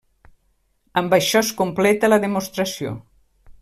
Amb això es completa la demostració.